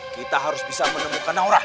kita harus bisa menemukan naurah